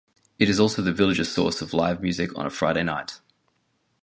It is also the village's source of live music on a Friday night.